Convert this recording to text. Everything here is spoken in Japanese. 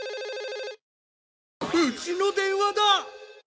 うちの電話だ！